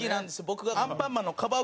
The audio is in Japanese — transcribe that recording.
僕が『アンパンマン』のカバ